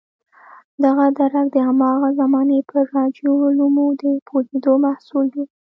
دغه درک د هماغه زمانې پر رایجو علومو د پوهېدو محصول و.